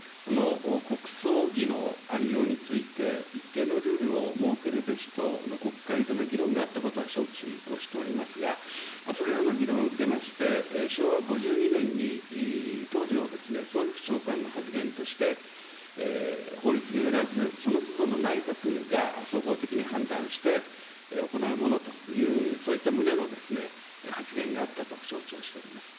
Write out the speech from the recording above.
国葬儀のありようについて、一定のルールを設けるべしとの国会での議論があったことは承知をしておりますが、それらの議論を受けまして、昭和５２年に当時の総理府長官からの発言として、法律によらず、そのつどの内閣が総合的に判断して行うものという、そういった旨の発言があったと承知をしております。